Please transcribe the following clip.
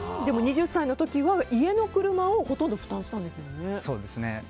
２０歳の時は家の車をほとんど負担したんですもんね。